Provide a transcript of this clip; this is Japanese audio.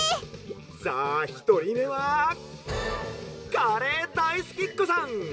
「さあひとりめはカレー大好きっこさん。